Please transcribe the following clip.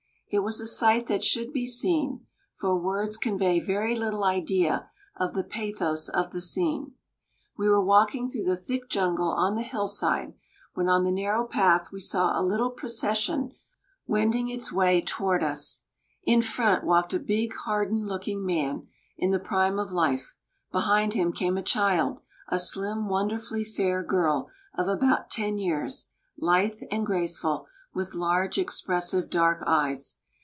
It was a sight that should be seen; for words convey very little idea of the pathos of the scene. We were walking through the thick jungle on the hillside when on the narrow path we saw a little procession wending its way toward us. In front walked a big, hardened looking man, in the prime of life; behind him came a child, a slim, wonderfully fair girl of about ten years, lithe and graceful, with large, expressive dark eyes.